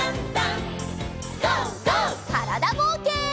からだぼうけん。